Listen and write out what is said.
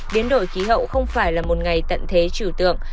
biến đổi khí hậu không phải là một ngày tận thế trừ tượng